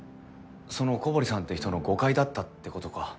その古堀さんって人の誤解だったって事か。